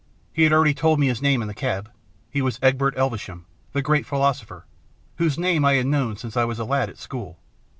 He had already told me his name in the cab; he was Egbert Elvesham, the great philosopher, whose name I had known since I was a lad at school.